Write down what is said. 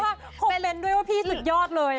โทษค่ะโทษเป็นด้วยว่าพี่สุดยอดเลยอ่ะ